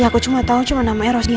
ya aku cuma tau cuma namanya rosdiana